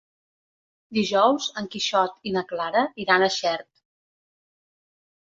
Dijous en Quixot i na Clara iran a Xert.